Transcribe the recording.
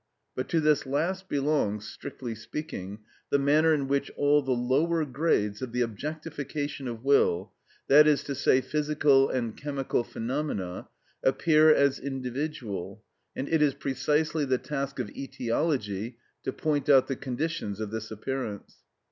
But to this last belongs, strictly speaking, the manner in which all the lower grades of the objectification of will, that is to say, physical and chemical phenomena, appear as individual, and it is precisely the task of etiology to point out the conditions of this appearance.